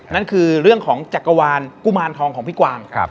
นั่นคือเรื่องของจักรวาลกุมารทองของพี่กวาง